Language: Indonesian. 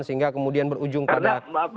sehingga kemudian berujung pada